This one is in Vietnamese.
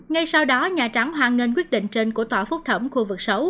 ngay sau đó nhà trắng hoàn ngân quyết định trên của tòa phúc thẩm khu vực sáu